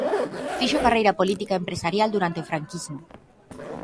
Fixo carreira política e empresarial durante o franquismo.